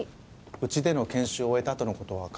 うちでの研修を終えたあとの事は考えていますか？